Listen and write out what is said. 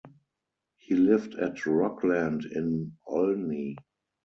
He lived at Rockland in Olney.